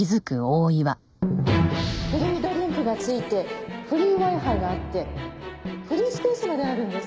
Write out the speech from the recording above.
フリードリンクが付いてフリーＷｉ−Ｆｉがあってフリースペースまであるんです。